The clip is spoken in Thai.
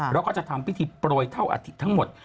แล้วก็จะทำพิธีโปรยเท่าอาทิตย์ทั้งหมด